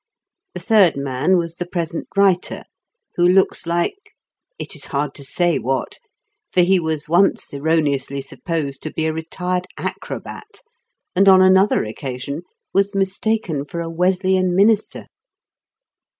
The third man was the present writer, who looks like — ^it is hard to say what, for he was once erroneously supposed to be a retired acrobat, and on another occasion was mistaken for a Wesleyan minister.